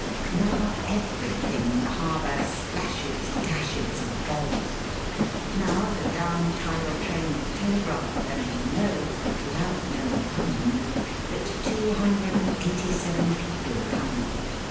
Now, everything in the harbour splashes, dashes, and bobs. Now, the Down Tidal Train is telegraphed, and you know (without knowing how you know), that two hundred and eighty seven people are coming.